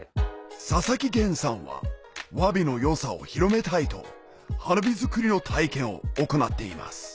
佐々木厳さんは和火の良さを広めたいと花火作りの体験を行っています